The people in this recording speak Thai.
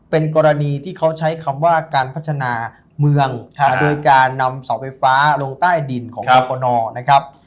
เป็นกรณีที่เขาใช้คำว่าการพัฒนาเมืองโดยการนำเสาไฟฟ้าลงใต้ดินของกรฟนนะครับ